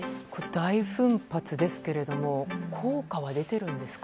大奮発ですけれども効果は出ているんですか？